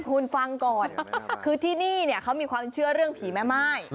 คุณฟังก่อนคือที่นี่เนี่ยเขามีความเชื่อเรื่องผีแม่ม่าย